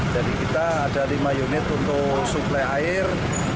jadi kita ada lima unit untuk suplai air